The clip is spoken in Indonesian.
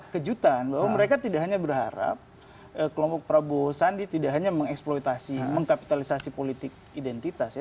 kejutan bahwa mereka tidak hanya berharap kelompok prabowo sandi tidak hanya mengeksploitasi mengkapitalisasi politik identitas ya